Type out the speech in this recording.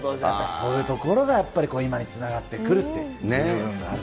そういうところがやっぱり今につながってくるという部分があると。